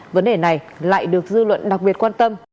vấn đề này lại được dư luận đặc biệt quan tâm